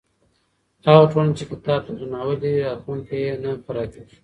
هغه ټولنه چې کتاب ته درناوی لري، راتلونکی یې نه خرابېږي.